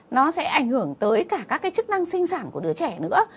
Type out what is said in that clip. nó sẽ ảnh hưởng tới cả các cái chức năng sinh sản của đứa trẻ nữa